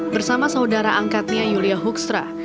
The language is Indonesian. bersama saudara angkatnya yulia hukstra